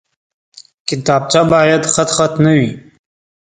کتابچه باید خطخط نه وي